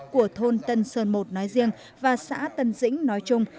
của thôn tân sơn một nói riêng và xã tân dĩnh nói chung